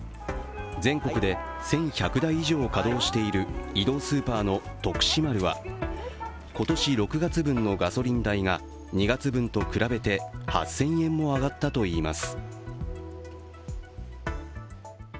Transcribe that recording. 全国で１１００台以上稼働している移動スーパーの「とくし丸」は今年６月分のガソリン代が２月分と比べて８０００円も上がったといいます。